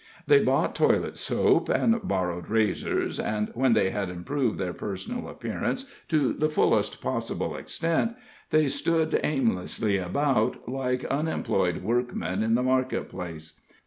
They bought toilet soap, and borrowed razors; and when they had improved their personal appearance to the fullest possible extent, they stood aimlessly about, like unemployed workmen in the market place.